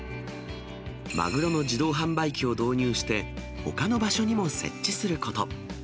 マグロの自動販売機を導入して、ほかの場所にも設置すること。